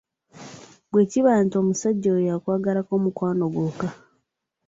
Bwe kiba nti omusajja oyo akwagalako "mukwano" gwokka,